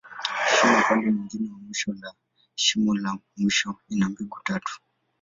Shimo upande mwingine ya mwisho la shimo la mwisho, ina mbegu tatu.